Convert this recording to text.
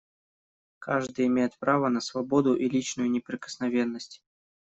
Каждый имеет право на свободу и личную неприкосновенность.